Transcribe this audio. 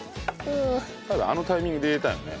澤部あのタイミングで入れたよね。